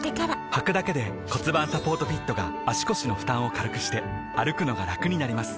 はくだけで骨盤サポートフィットが腰の負担を軽くして歩くのがラクになります